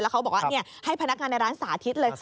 เขาบอกว่าให้พนักงานในร้านสาธิตเลย